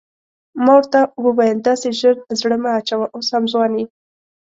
ما ورته وویل داسې ژر زړه مه اچوه اوس هم ځوان یې.